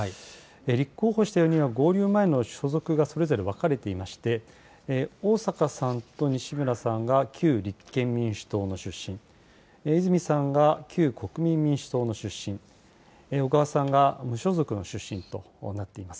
立候補した４人は合流前の所属がそれぞれ分かれていまして、逢坂さんと西村さんが旧立憲民主党の出身、泉さんが旧国民民主党の出身、小川さんが無所属の出身となっています。